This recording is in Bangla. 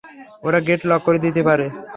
ওরা গেট লক করে দিতে পারে।